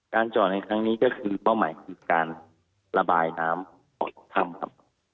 จอดในครั้งนี้ก็คือเป้าหมายคือการระบายน้ำออกถ้ำครับ